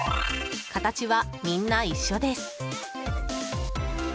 形はみんな一緒です。